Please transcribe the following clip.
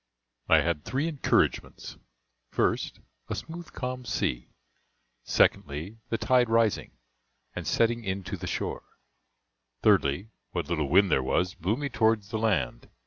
I had three encouragements 1st, a smooth calm sea; 2ndly, the tide rising, and setting in to the shore; 3dly, what little wind there was blew me towards the land.